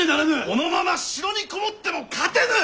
このまま城に籠もっても勝てぬ！